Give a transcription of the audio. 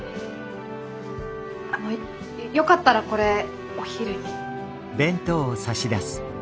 あのよかったらこれお昼に。